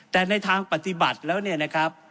แต่ในทางปฏิบัติแล้วเนี่ยนะครับ